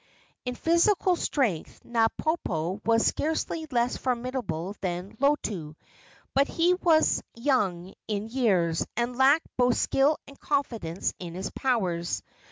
In physical strength Napopo was scarcely less formidable than Lotu; but he was young in years, and lacked both skill and confidence in his powers.